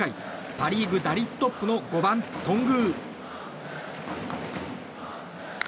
パ・リーグ打率トップの５番、頓宮。